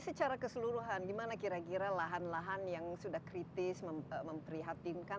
secara keseluruhan gimana kira kira lahan lahan yang sudah kritis memprihatinkan